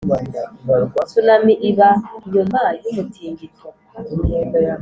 tsunami iba nyuma yumutingito